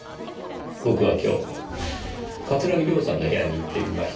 僕は今日桂木涼さんの部屋に行ってみました。